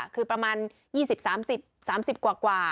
คือประมาณ๒๐๓๐๓๐กว่า